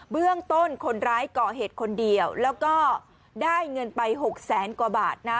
เบื้องต้นคนร้ายก่อเหตุคนเดียวแล้วก็ได้เงินไปหกแสนกว่าบาทนะ